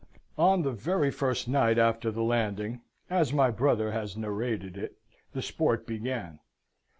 On the very first night after the landing (as my brother has narrated it) the sport began.